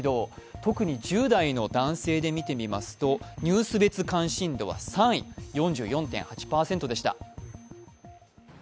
特に１０代の男性で見てみますと、ニュース別関心度は３位、４４．８％でした。